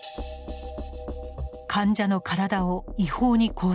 患者の体を違法に拘束。